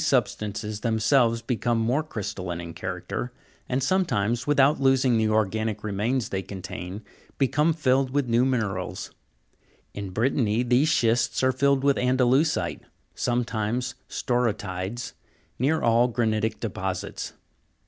substances themselves become more crystalline in character, and sometimes, without losing 1 the organic remains they contain, become filled with new minerals ; in Brittany these schists are filled with andalu'site, sometimes staurotides, near all granitic deposits.